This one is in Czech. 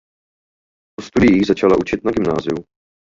Po studiích začala učit na gymnáziu.